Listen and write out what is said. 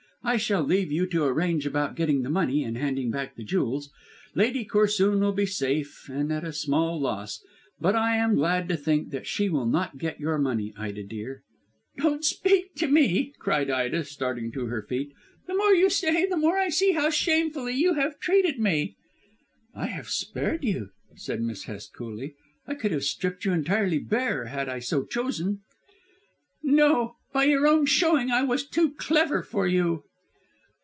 I shall leave you to arrange about getting the money and handing back the jewels. Lady Corsoon will be safe, and at a small loss. But I am glad to think that she will not get your money, Ida, dear." "Don't speak to me," cried Ida starting to her feet. "The more you say the more I see how shamefully you have treated me." "I have spared you," said Miss Hest coolly. "I could have stripped you entirely bare had I so chosen." "No. By your own showing I was too clever for you."